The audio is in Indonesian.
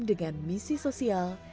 dengan misi sosial